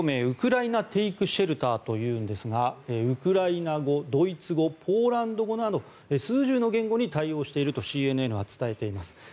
ウクライナテイクシェルターというのですがウクライナ語、ドイツ語ポーランド語など数十の言語に対応しているとＣＮＮは伝えています。